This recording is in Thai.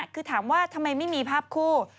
คือถามว่าทำไมไม่มีภาพคู่